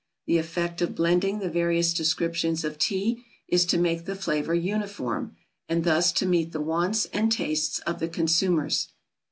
The effect of blending the various descriptions of Tea is to make the flavour uniform, and thus to meet the wants and tastes of the consumers.